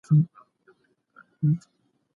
ناروغ ټول عمر نورو ته اړ وي.